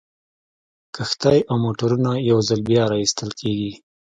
کښتۍ او موټرونه یو ځل بیا را ایستل کیږي